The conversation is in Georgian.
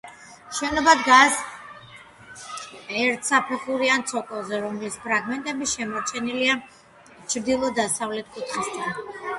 შენობა დგას ერთსაფეხურიან ცოკოლზე, რომლის ფრაგმენტები შემორჩენილია ჩრდილო-დასავლეთ კუთხესთან.